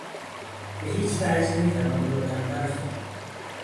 به هیچوجه نمیتوان او را تنبل خواند.